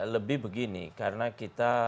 lebih begini karena kita